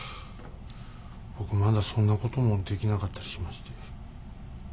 僕まだそんなこともできなかったりしまして。